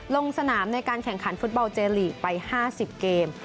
ลงสนามในการแข่งขันฟุตบอลเจลีกไป๕๐เกม